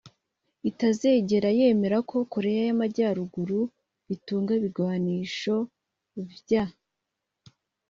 itazigera yemera ko Korea ya Ruguru itunga ibigwanisho vya